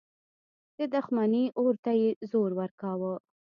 د دښمني اور ته یې زور ورکاوه.